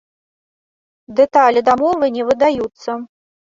Дэталі дамовы не выдаюцца.